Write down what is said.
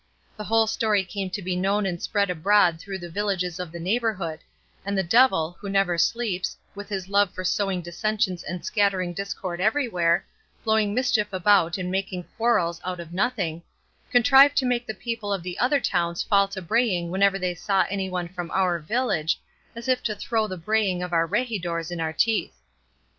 The whole story came to be known and spread abroad through the villages of the neighbourhood; and the devil, who never sleeps, with his love for sowing dissensions and scattering discord everywhere, blowing mischief about and making quarrels out of nothing, contrived to make the people of the other towns fall to braying whenever they saw anyone from our village, as if to throw the braying of our regidors in our teeth.